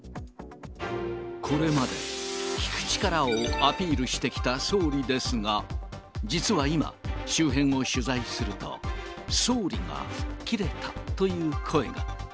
これまで、聞く力をアピールしてきた総理ですが、実は今、周辺を取材すると、総理が吹っ切れたという声が。